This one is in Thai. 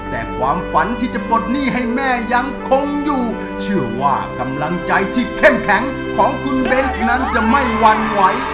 แต่ความฝันที่จะปลดหนี้ให้แม่ยังคงอยู่เชื่อว่ากำลังใจที่เข้มแข็งของคุณเบนส์นั้นจะไม่หวั่นไหว